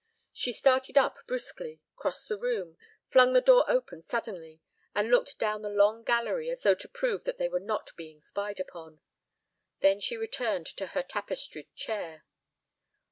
She started up brusquely, crossed the room, flung the door open suddenly, and looked down the long gallery as though to prove that they were not being spied upon. Then she returned to her tapestried chair.